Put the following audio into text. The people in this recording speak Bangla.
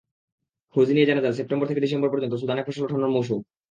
খোঁজ নিয়ে জানা যায়, সেপ্টেম্বর থেকে ডিসেম্বর পর্যন্ত সুদানে ফসল ওঠানোর মৌসুম।